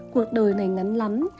cuộc đời này ngắn lắm